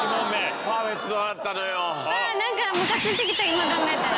あ何かムカついてきた今考えたら。